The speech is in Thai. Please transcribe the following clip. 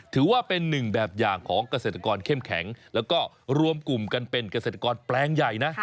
ถือว่าเป็นหนึ่งแบบอย่างของเกษตรกรเข้มแข็งแล้วก็รวมกลุ่มกันเป็นเกษตรกรแปลงใหญ่นะ